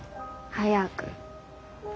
早く。